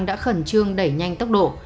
đã khẩn trương đẩy nhanh tốc độ